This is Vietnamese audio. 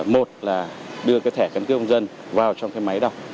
một là đưa cái thẻ căn cước công dân vào trong cái máy đọc